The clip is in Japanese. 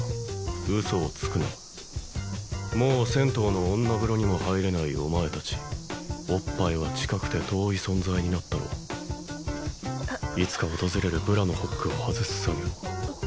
ウソをつくなもう銭湯の女風呂にも入れないお前達おっぱいは近くて遠い存在になったろいつか訪れるブラのホックを外す作業